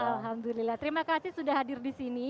alhamdulillah terima kasih sudah hadir di sini